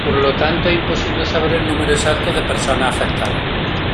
Por lo tanto, es imposible saber el número exacto de personas afectadas.